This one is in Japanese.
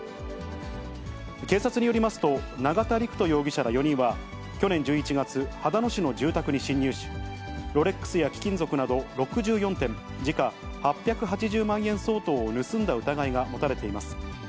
警察によりますと、永田陸人容疑者ら４人は、去年１１月、秦野市の住宅に侵入し、ロレックスや貴金属など６４点、時価８８０万円相当を盗んだ疑いが持たれています。